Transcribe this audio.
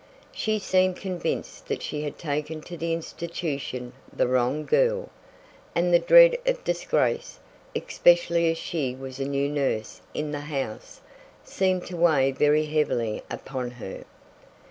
She seemed convinced that she had taken to the institution the wrong girl, and the dread of disgrace, especially as she was a new nurse in the house, seemed to weigh very heavily upon her.